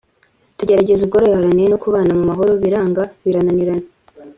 tugerageza ubworoherane no kubana mu mahoro biranga birannirana